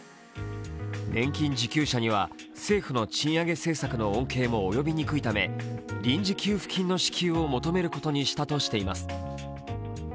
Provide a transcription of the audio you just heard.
年金受給者には政府の賃上げ政策の恩恵も及びにくいため臨時給付近の支給を求めることにしたとしています。